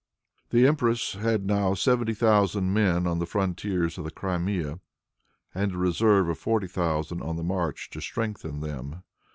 The empress had now seventy thousand men on the frontiers of the Crimea, and a reserve of forty thousand on the march to strengthen them.